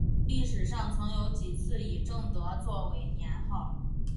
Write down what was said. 历史上曾有几次以正德作为年号。